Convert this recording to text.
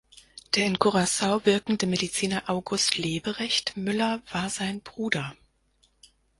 Der in Curacao wirkende Mediziner August Leberecht Müller war sein Bruder.